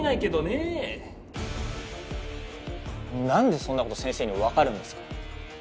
何でそんなこと先生に分かるんですか？